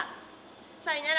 さいなら。